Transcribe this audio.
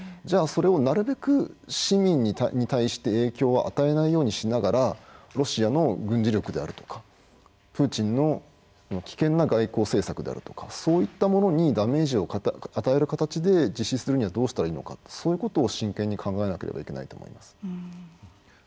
じゃあそれをなるべく市民に対して影響を与えないようにしながらロシアの軍事力であるとかプーチンの危険な外交政策であるとかそういったものにダメージを与える形で実施するにはどうしたらいいのかそういうことを真剣に考えなければいけないと思います。